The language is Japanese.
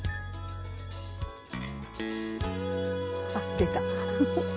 あっ出た。